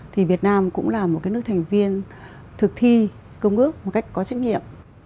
thì việt nam cũng là một cái nước thành viên thực thi công ước một cách có trách nhiệm